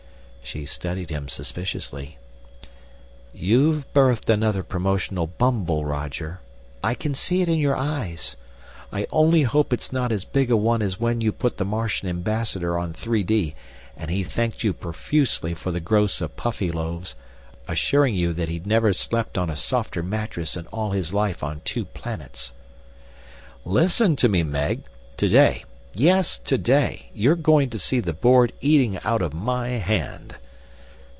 She studied him suspiciously. "You've birthed another promotional bumble, Roger. I can see it in your eyes. I only hope it's not as big a one as when you put the Martian ambassador on 3D and he thanked you profusely for the gross of Puffyloaves, assuring you that he'd never slept on a softer mattress in all his life on two planets." "Listen to me, Meg. Today yes, today! you're going to see the Board eating out of my hand."